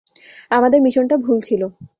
আমাদের মিশনটা ভুল ছিল।